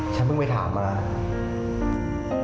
ฉันเพิ่งไปถามมาแล้ว